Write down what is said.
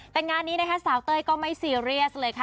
แต่งานนี้นะคะสาวเต้ยก็ไม่ซีเรียสเลยค่ะ